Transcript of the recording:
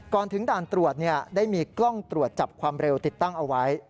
ถึงด่านตรวจได้มีกล้องตรวจจับความเร็วติดตั้งเอาไว้